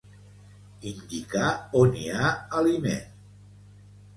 Indicar on hi ha aliment.